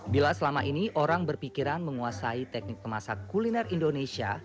bila selama ini orang berpikiran menguasai teknik pemasak kuliner indonesia